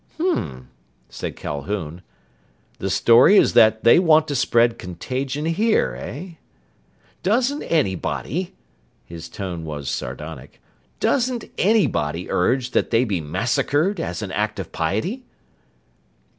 "Hm," said Calhoun. "The story is that they want to spread contagion here, eh? Doesn't anybody" his tone was sardonic "doesn't anybody urge that they be massacred as an act of piety?"